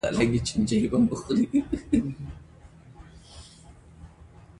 ترافيکي اصول مراعات کړئ.